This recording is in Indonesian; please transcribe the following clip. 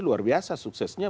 luar biasa suksesnya